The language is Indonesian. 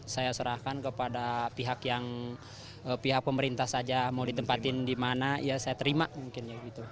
saya serahkan kepada pihak yang pihak pemerintah saja mau ditempatin di mana ya saya terima mungkin